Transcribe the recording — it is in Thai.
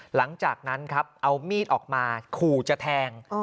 หลังจากนั้นครับเอามีดออกมาขู่จะแทง